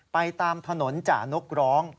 ไปตามถนนจ่านกร้อง